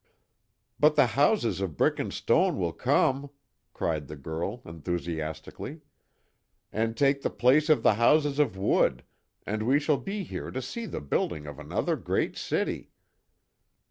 "But the houses of brick and stone will come!" cried the girl, enthusiastically, "And take the place of the houses of wood, and we shall be here to see the building of another great city."